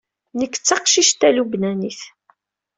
Nekk d taqcict talubnanit.